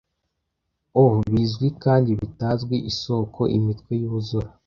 O bizwi kandi bitazwi isoko-imitwe yuzura